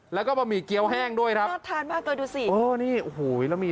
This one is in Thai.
แล้วก็บะหมี่เกี้ยวแห้งด้วยเนี่ย